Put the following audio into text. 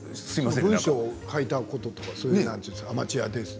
文章を書いたとかアマチュアで。